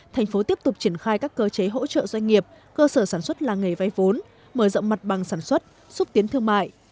thành phố tiếp tục triển khai các cơ chế hỗ trợ doanh nghiệp cơ sở sản xuất làng nghề vay vốn mở rộng mặt bằng sản xuất xúc tiến thương mại